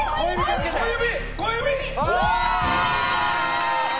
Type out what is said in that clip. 小指！